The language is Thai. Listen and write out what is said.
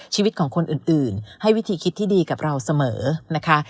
ชีวิตของคนอื่นให้วิธีคิดที่ดีกับเราเสมอนะคะ